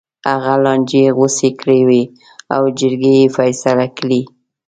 هغه لانجې غوڅې کړې وې او جرګې یې فیصله کړې.